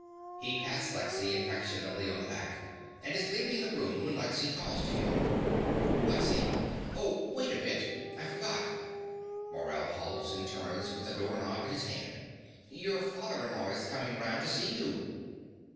(He pats Lexy affectionately on the back, and is leaving the room when Lexy calls to him.) LEXY. Oh, wait a bit: I forgot. (Morell halts and turns with the door knob in his hand.) Your father in law is coming round to see you.